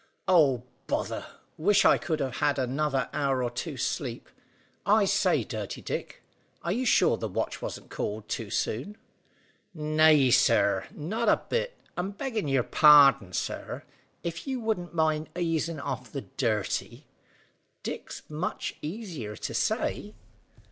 "Oh, bother! Wish I could have had another hour or two's sleep. I say, Dirty Dick, are you sure the watch wasn't called too soon?" "Nay, sir, not a bit; and, beggin' your pardon, sir, if you wouldn't mind easin' off the Dirty Dick's much easier to say."